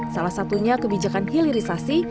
salah satunya kebijakan hilirisasi